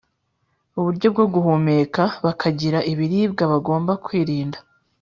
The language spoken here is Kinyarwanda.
uburyo bwo guhumeka, bakagira ibiribwa bagomba kwirinda